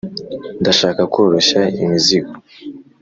ndashaka koroshya imizigo